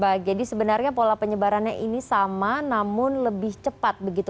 baik jadi sebenarnya pola penyebarannya ini sama namun lebih cepat begitu